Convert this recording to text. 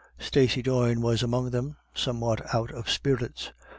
Stacey Doyne was among them, somewhat out of spirits.